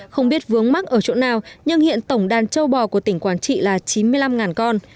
không biết vướng mắc ở chỗ nào nhưng hiện tổng đàn châu bò của tỉnh quảng trị là chín mươi năm con